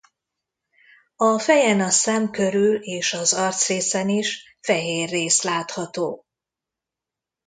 A fejen a szem körül és az arcrészen is fehér rész látható.